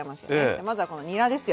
じゃあまずはこのにらですよ。